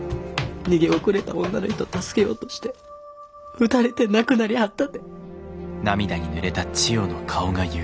逃げ遅れた女の人助けようとして撃たれて亡くなりはったて。